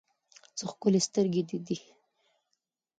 څه ښکلي سترګې دې دي